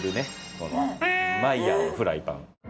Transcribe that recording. このマイヤーのフライパン。